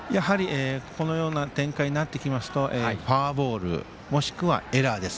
このような展開になってきますとフォアボール、もしくはエラー。